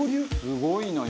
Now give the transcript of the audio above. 「すごいな」